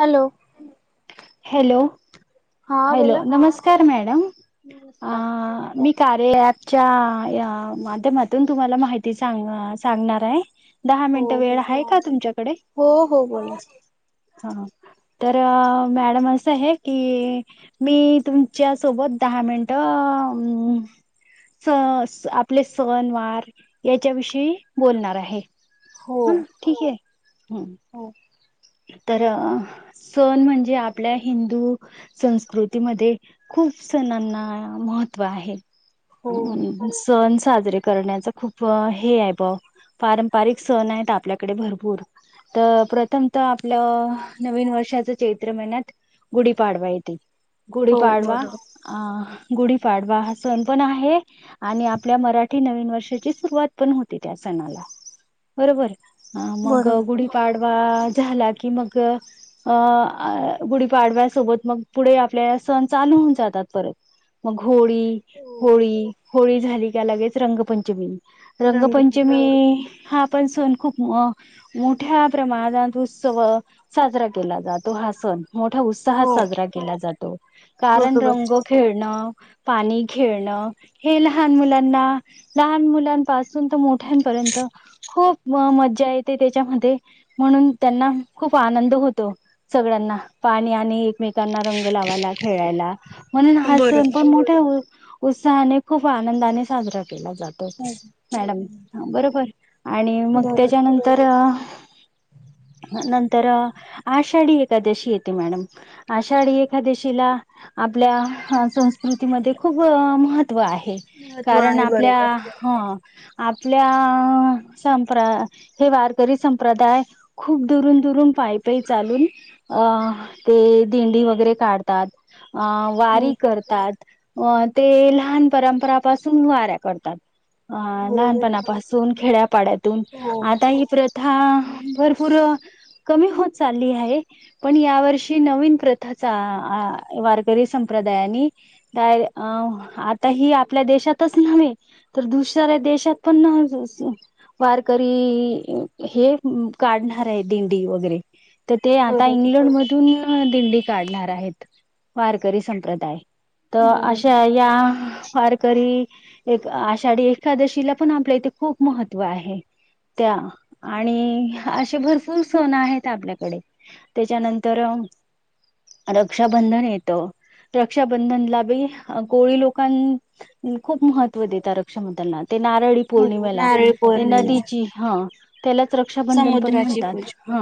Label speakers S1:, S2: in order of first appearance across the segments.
S1: Hello.
S2: Hello,
S1: हा
S2: hello
S1: बोला
S2: नमस्कार मॅडम आ
S1: नमस्कार
S2: मी कार्य अपच्या या माध्यमातून तुम्हाला माहिती सांगणार आहे. दहा
S1: हो
S2: मिनिट
S1: हो
S2: वेळ आहे का तुमच्याकडे?
S1: हो हो बोला
S2: हा, तर मॅडम असं आहे की मी तुमच्या सोबत दहा मिनिट आ च आपले सण वार याच्या विषयी बोलणार आहे.
S1: हो
S2: हा ठीक आहे, हम.
S1: हो
S2: तर सण म्हणजे आपल्या हिंदू संस्कृतीमध्ये खूप खूप सणांना महत्व आहे.
S1: हो
S2: सण साजरे करण्याच खूप हे आहे भा पारंपारिक सण आहेत आपल्याकडे भरपूर. तर प्रथम तर आपलं नवीन वर्षाच चैत्र महिन्यात गुढीपाडवा येतील. गुडी
S1: हो
S2: पाडवा
S1: बरोबर
S2: अह गुढीपाडवा हा सण पण आहे, आणि आपल्या मराठी नवीन वर्षाची सुरुवात पण होती त्या सण बरोबर? मग
S1: बरोबर
S2: गुढीपाडवा झाला की मग अ गुढीपाडव्यासोबत मग पुढे आपल्या सण चालू होऊन जातात. त मग होळी
S1: हो
S2: होळी होळी झाली का लगेच रंगपंचमी.
S1: रंगपंच
S2: रंगपंचमी हा पण सण खूप मोठ्या प्रमाणात उत्सव साजरा केला जातो हा सण. मोठा उत्साहात
S1: हो
S2: साजरा केला जातो. कारण
S1: बरोबर
S2: रंग खेळणं पाणी खेळण. हे लहान मुलांना लहान मुलांपासून तर मोठप खूप मजा येते त्याच्यामध्ये म्हणून त्यांना खूप आनंद होतो सगळ्यांना पाणी आणि एकमेक त्यांना रंग लावायला, खेळायला म्हणून हा सण
S1: बरोबर
S2: पण मोठ्या उत्साहाने खूप आनंदाने साजरा जातो मॅडम बरोबर आणि मग
S1: बरोबर
S2: त्याच्यानंतर नंतर आषाढी एकादशी येते मॅडम. आषाढी एकादशीला आपल्या संस्कृतीमध्ये खूप महत्त्व व आहे
S1: महत्त्व
S2: कारण
S1: आहे
S2: आपल्या
S1: बरोबर
S2: ह आपल्या संप हे वारकरी संप्रदाय खूप दुरून दुरून पाई पई चालून अ ते दिंडी वगैरे काढतात अ वारी करतात. अ ते लहान परंपरापासून वाऱ्या करतात. अ
S1: बरोबर
S2: लहानपणापासून, खेड्यापाड्यातून
S1: हो
S2: आता ही प्रथा भर पुरं कमी होत चालली आहे, पण यावर्षी नवीन प्रथाचा वारकरी संप्रदाय आता ही आपल्या देशातच नव्हे तर दुसऱ्या देशात पण वारकरी हे काढणार आहे दिंडी वगैरे तर ते आता
S1: बरोबर
S2: इंग्लंड मधून दिंडी काढणार आहेत, वारकरी संप्रदाय. तर
S1: बरोबर
S2: अशा या वारकरी एक आषाढी एकादशीला पण आपल्या इथे खूप महत्व आहे. त्या आणि असे भरपूर सण आहेत आपल्याकडे. त्याच्यानंतर रक्षाबंधन येतो. रक्षाबंधनला बी गोळी लोकां खूप महत्त्व देतात रक्षाबंधनात. ते नारळी
S1: हो
S2: पौर्णिमेला.
S1: नारळी पौर्णिमा
S2: नदीची ह त्यालाच रक्षाबंधन ण
S1: समुद्राची
S2: म्हणतात.
S1: पूजा
S2: ह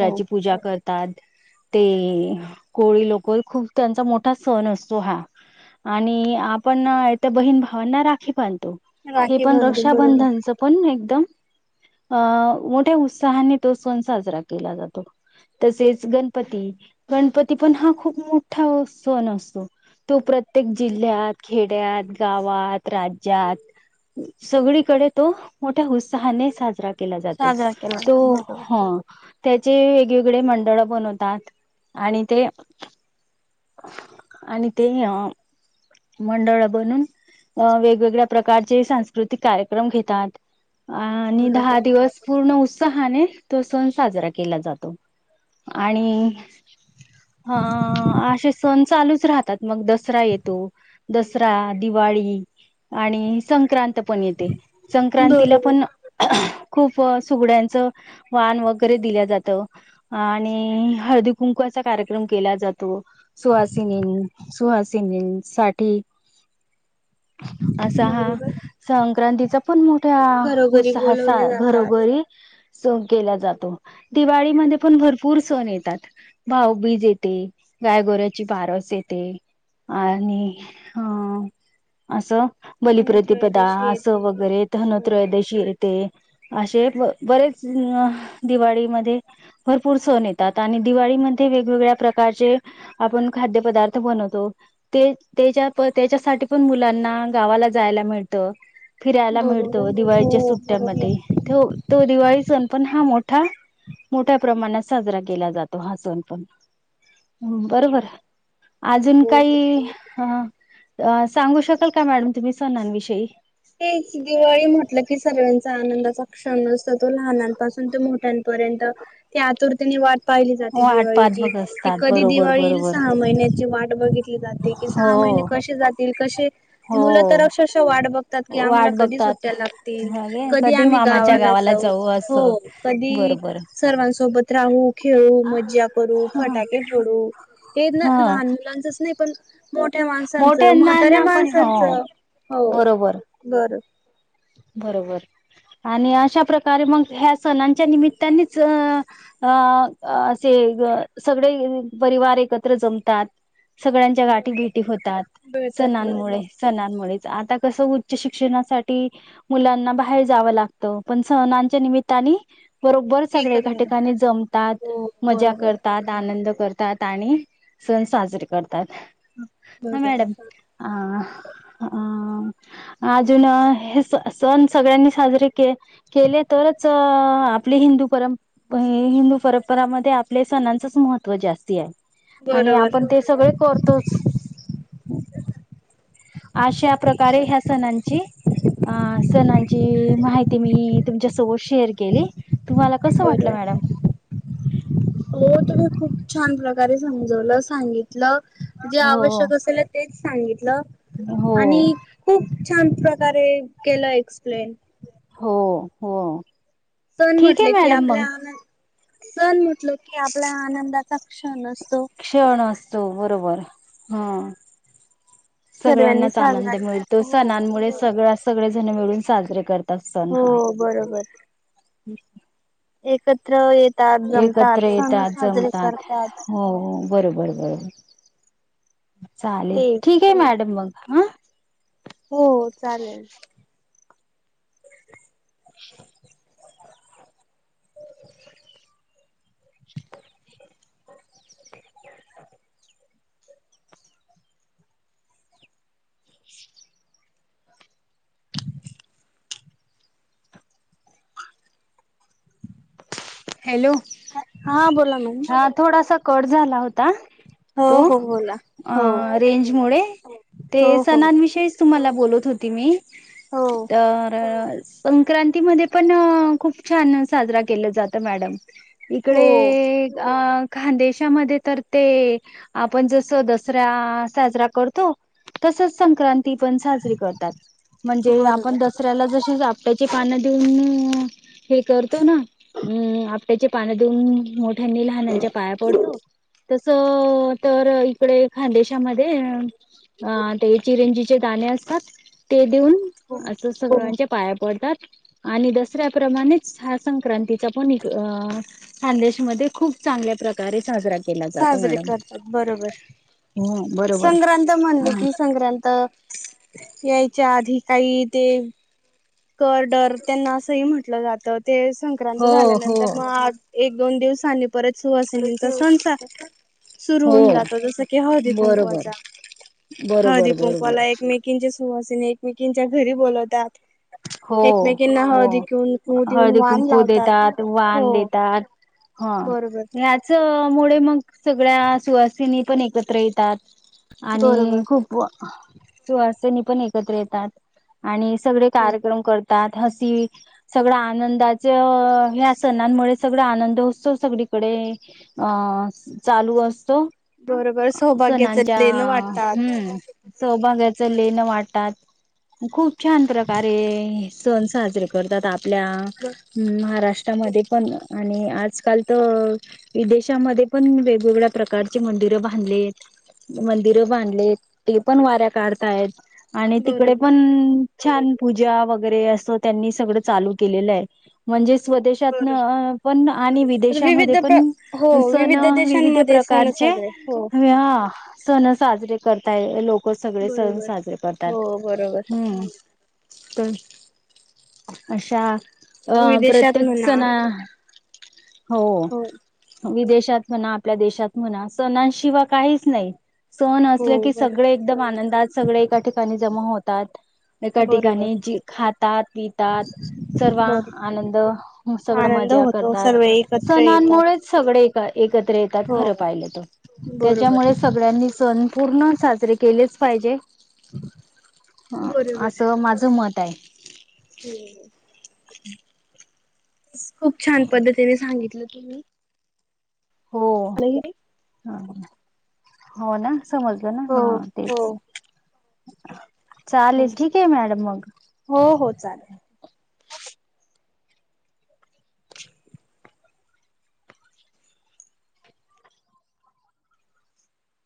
S1: हो
S2: पूजा कर ते कोळी लोकं. खूप त्यांचा मोठा सण असतो हा. आणि आपण हिथ, बहीण भावांना राखी बांध तो. हे
S1: राखी
S2: पण
S1: बांधून बरोबर
S2: रक्षाबंधनच पण, एकदम अ मोठे उत्स सहाने तो सण साजरा केला जातो. तसेच गणपती गणपती पण हा खूप मोठा सण असतो. तो प्रत्येक
S1: बरोबर
S2: जिल्ह्यात खेड्यात, गावात, राज्यात सगळीकडे तो मोठ्या उत्साहाने साजरा केला जातो.
S1: साजरा केला
S2: तो
S1: बरोबर
S2: हा. त्याचे वेगवेगळे मंडळ बनवतात आणि ते आणि ते अ मंडळ बनून अ वेगवेगळ्या प्रकारचे सांस्कृतिक कार्यक्रम घेतात. आणि दहा
S1: बरोबर
S2: दिवस पूर्ण उत्साहाने तो सण साजरा केला जातो. आणि हां. असे सण चालूच राहतात, मग दसरा येतो. दसरा, दिवाळी आणि संक्रांत पण येते. संक्रांतीला
S1: बरोबर
S2: पण खूप सुगड्यांचं वान वगैरे दिल्या जातं आणि हळदी कुंकाच असा कार्यक्रम केला जातो. सुहासिनी, सुहासिनीन साठी असा हा
S1: बरोबर
S2: संक्रांतीचा, पण मोठ्या
S1: घरोघरी बोलवले
S2: उत्साहचा
S1: जातात.
S2: घरोघरी सण केला जातो, दिवाळीमध्ये पण भरपूर सण येतात. भावबीज येते. गायगुऱ्या ती बारस येते आणि अ असं बलिप्रतिपदा,
S1: धनत्रयोदशी
S2: असं
S1: येते.
S2: वगैरे
S1: हो.
S2: धनोत्रयोदशी येते असे बरेच हं दिवाळीमध्ये भरपूर सण येतात आणि दिवाळीमध्ये वेगवेगळ्या प्रकारचे आपण खाद्य पदार्थ बनवतो, ते तेच्याप तेच्यासाठी पण मुलांना गावाला जायला मिळत. फिरायला मिळत.
S1: बरोबर हो
S2: दिवाळीच्या सुट्ट्या
S1: बरोबर
S2: मध्ये पण हा मोठा मोठ्या प्रमाणात साजरा केला जातो. हा सण पण बरोबर, आजून
S1: हो बरोबर.
S2: काही हा. अ सांगू शकाल का मॅडम तुम्ही सणांविषयी?
S1: तेच दिवाळी म्हटल की सगळ्यांचा आनंदाचा क्षण असतो तो लहनांपासून ते मोठ शान परेंत ते आतुरतेने वाट पाहिली जाते
S2: वाट पाहत
S1: दिवाळीची.
S2: बघत
S1: ती
S2: असतात
S1: कधी
S2: बरोबर
S1: दिवाळी यील
S2: बरोबर
S1: सहा महिन्याची? वाट बघितली जाते की,
S2: हो
S1: सहा महि महिने कशे जातील कशे
S2: हो
S1: मुल तर आक्षरक्षां वाट बघतात. की आम्हाला
S2: वाट
S1: कधी
S2: बघतात
S1: सुट्ट्या लागतील, कधी आम्ही गावाला जाऊ, हो कधी
S2: बरोबर
S1: सर्वांसोबत राहू, खेळू, मज्जा करू, फटाके फोडू. हे ना
S2: हा
S1: लहान मुलांचंच नाही पण मोठ्या माणसांचं
S2: मोठ्यांना
S1: म्हाताऱ्या
S2: ना पण हो
S1: माणसांचं हो
S2: बरोबर
S1: बर
S2: बरोबर. आणि अशा प्रकारे मग ह्या सणांच्या निमित्तानेच अ असे सगळे परिवार एकत्र जमतात. सगळ्यांच्या गाठी
S1: बरोबर
S2: भेटी होतात.
S1: मिळतात बरोबर.
S2: सणांमुळे सणांमुळे. आता कसं उच्च शिक्षणासाठी मुलांना बाहेर जावं लागत, पण सहनांच्या निमित्तानीं बरोबर सगळे
S1: एकत्र
S2: एका
S1: येतात.
S2: ठिकाणी जमतात,
S1: हो
S2: मजा
S1: बरोबर
S2: करतात आनंद कर तात आणि सण साजरे करतात. ह
S1: बरोबर.
S2: मॅडम अ अजून सण सगळ्यांनी साजरे के केले तरच आपली हिंदू परं हिंदू परंपरामध्ये आपल्या सणांचंच महत्त्व जास्त आहे आणि
S1: बरोबर
S2: आपण ते सगळे करतोच. अशा प्रकारे ह्या सणांची अ सणांची माहिती मी तुमच्यासोत शेअर केली. तुम्हाला कस वाटलं
S1: बरोबर
S2: मॅडम?
S1: हो तुम्ही खूप छान प्रकारे समजवलं. सांगितलं. जे
S2: हो
S1: आवश्यक असेल तेच सांगितलं
S2: हो
S1: आणि खूप छान प्रकारे केलं एक्सप्लेन.
S2: हो हो!
S1: सण
S2: ठीक आहे
S1: म्हटले की
S2: मॅडम
S1: आपल्या
S2: मग
S1: आ सण म्हटलं की आपला आनंदाचा क्षण असतो.
S2: क्षण असतो बरोबर. ह.
S1: सर्वांनी
S2: सगळ्यांनाच
S1: साजरा
S2: आनंद मिळतो.
S1: हो
S2: सणांमुळे
S1: बर
S2: सगळ सगळ जण मिळून साजरे करतात सण
S1: हो
S2: हा.
S1: बरोबर एकत्र येतात. जमतात.
S2: एकत्र
S1: सण
S2: येतात
S1: साजरे
S2: जमतात
S1: करतात.
S2: हो बरोबर बरोबर
S1: ते
S2: चालेल ठीक आहे मॅडम मग हा.
S1: हो चालेल. [inaudible]
S2: [inaudible] हॅलो.
S1: हा बोल
S2: हा थोडासा कट झाला होता
S1: हो
S2: तो
S1: हो बोला हो
S2: अह रेंजमुळे
S1: हो
S2: ते
S1: हो
S2: सणा विषयी तुम्हाला बोलत होती मी
S1: हो
S2: तर संक्रांती मध्ये पण खूप छान साजरा केलं जात मॅडम. इकडे
S1: हो
S2: अ खानदेशामध्ये तर ते आपण जस दसरा साजरा करतो तसच संक्रांती पण साजरी करतात म्हणजे आपण
S1: बरोबर
S2: दसऱ्याला जशी आपट्या पान देऊन हे करतो ना अ आपट्याचे पान देऊन मो नी लहानंच्या पाया पडतो तस तर इकडे खानदेशामध्ये अ ते चिरंजीचे दाणे असतात ते देऊन
S1: हो
S2: असं सगळ्यांचे पाया पडतात आणि दसऱ्या प्रमाणेच हा संक्रांतीचा पण खानदेशमधे खूप चांगल्या प्रकारे साजरा
S1: साजरे
S2: मॅडम.
S1: करतात बरोबर
S2: हम्म बरोबर.
S1: संक्रांत म्हणले की संक्रांत यायच्या आधी काही ते करडर त्यांना असं ही म्हटलं जातं ते संक्रांत
S2: हो हो
S1: झाल्यानंतर मग एक दोन दिवसांनी परत सुवासिनींचा सण सुरु
S2: हो
S1: होऊन जातो जस की हळदी
S2: बरोबर
S1: कुंकुवाचा हळदी
S2: बरोबर बरोबर.
S1: कुंकवाला एकमेकींच्या सुवासीनी एकमेकींच्या घरी बोलवतात
S2: हो
S1: एकमेकींना
S2: हो
S1: हळदी कुंकू देऊन
S2: हळदी
S1: वाण
S2: कुंकू
S1: लावतात.
S2: देतात, वान
S1: हो
S2: देतात. हा
S1: बरोबर
S2: याच मुळे मग सगळ्या सुवासिनी पण एकत्र येतात.
S1: बरोबर
S2: आणि खूप सुवासिनी पण एकत्र येतात आणि सगळे
S1: हो
S2: कार्यक्रम करत तात हसी सगळ आनंदाच ह्या सणांमुळे सगळा आनंद उत्सव सगळी कडे अह चालू असतो
S1: बरोबर सौभाग्याचं
S2: सणांच्या
S1: देणं वाटतात.
S2: हम्म
S1: ब
S2: सौभाग्याचं लेण वाटतात खूप छान प्रकारे सण साजरे करतात आपल्या महाराष्ट्र तामध्ये पण आणि आजकाल तर विदेशामध्ये पण वेगवेगळ्या प्रकारचे म बांधले मंदिर बांधले ते पण वाऱ्या काढताहेत आणि
S1: बरोबर
S2: तिकडे पण छान पूजा वगैरे असं त्यांनी सगळं चालू केलेलं आहे म्हणजेच स्वदेशात
S1: बरोबर
S2: पण आणि विदेशामध्ये
S1: विविध प्र
S2: पण
S1: हो
S2: सण
S1: विविध
S2: विविध
S1: देशांमध्ये सण
S2: प्रकारचे
S1: साजरे हो
S2: चे हा सण साजरे करताय लोक लोक सगळे सण
S1: बरोबर
S2: साजरे करतात
S1: हो बरोबर
S2: हम्म. तर अशा अह
S1: विदेशात
S2: प्रत्येक
S1: म्हणा
S2: सणा हो विदेशात म्हणा आपल्या देशात म्हणा सणांशिवाय काहीच नाही. सण
S1: हो
S2: असले की
S1: बर
S2: सगळे एकदम आनंदात, सगळे एका ठिकाणी जमा होतात एका ठिकाणी
S1: बरोबर
S2: जे खातात पितात सर्व
S1: बरोबर
S2: आनंद सगळं
S1: आनंद
S2: मजा
S1: होतो
S2: करतात,
S1: सर्व एकत्र येतात.
S2: सणांमुळेच सगळे एका एकत्र येतात
S1: हो
S2: खरं पाहिलं तर,
S1: बरोबर
S2: त्याच्यामुळे सगळ्यांनी सण पूर्ण साजरे केलेच पाहिजे असं माझं मत आहे.
S1: हो हो.
S2: हम्म.
S1: खूप छान पद्धतीने सांगितलं तुम्ही
S2: हो हो ना. समजलं ना
S1: हो
S2: हा तेच.
S1: हो
S2: चालेल
S1: हो
S2: ठीक आहे मॅडम मग
S1: हो हो चालेल.